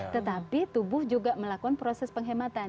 tetapi tubuh juga melakukan proses penghematan